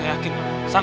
moms yang dib nepal